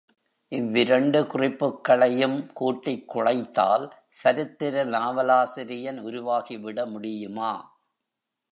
இவ்விரண்டு குறிப்புக்களையும் கூட்டிக் குழைத்தால், சரித்திர நாவலாசிரியன் உருவாகிவிட முடியுமா?